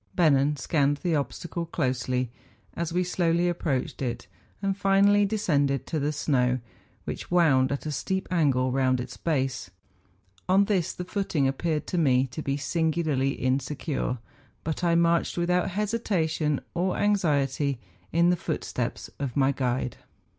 Bennen scanned the obstacle closely as we slowly approached it, and finally descended to the snow, which wound at a steep angle round its base; on this the footing ap¬ peared to me to be singularly insecure; but I marched without hesitation or anxiety in the footsteps of my guide.